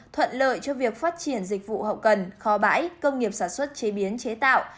thuận lợi cho việc phát triển dịch vụ hậu cần kho bãi công nghiệp sản xuất chế biến chế tạo